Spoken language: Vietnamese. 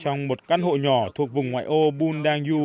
trong một căn hộ nhỏ thuộc vùng ngoại ô bundangyu